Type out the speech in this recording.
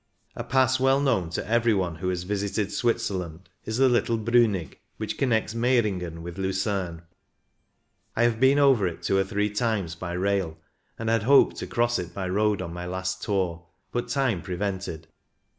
A Pass well known to every one who has visited Switzerland is the little Brlinig, which connects Meiringen with Lucerne. I have been over it two or three times by rail, and had hoped to cross it by road on my last tour, but time prevented.